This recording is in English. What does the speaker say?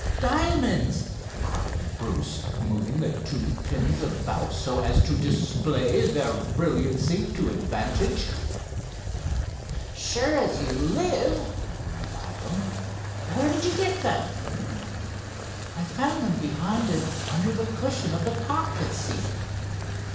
"Diamonds!" cried Bruce, moving the two pins about so as to display their brilliancy to advantage. "Sure as you live!" agreed Hiram. "Where did you get them?" "I found them behind, and under the cushion of the cockpit seat.